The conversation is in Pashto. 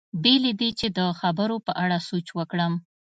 بې له دې چې د خبرو په اړه سوچ وکړم.